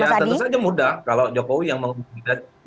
ya tentu saja mudah kalau jokowi yang menghubungi